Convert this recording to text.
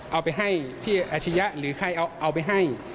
เอาไปให้พี่อาชียะหรือใครเอาไปให้